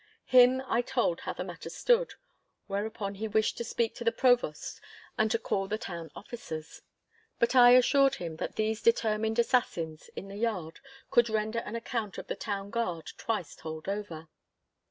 Him I told how the matter stood, whereupon he wished to speak to the Provost and to call the town officers. But I assured him that these determined assassins in the yard could render an account of the town guard twice told over.